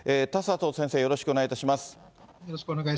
田里先生、よろしくお願いいたします。